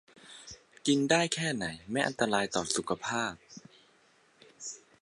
กินได้แค่ไหนไม่อันตรายต่อสุขภาพ